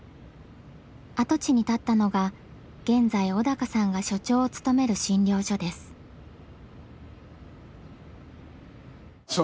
跡地に建ったのが現在小鷹さんが所長を務める診療所です。